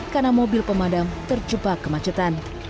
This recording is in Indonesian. karena mobil pemadam terjumpa kemacetan